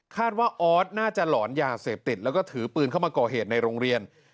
ว่าออสน่าจะหลอนยาเสพติดแล้วก็ถือปืนเข้ามาก่อเหตุในโรงเรียน